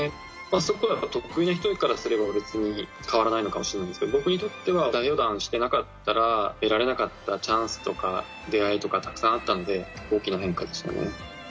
そういうことが得意な人からすれば、別に変らないのかもしれないですけれども、僕にとっては太平洋横断してなかったら、得られなかったチャンスとか出会いとかたくさんあったので、大きな変化ですよね。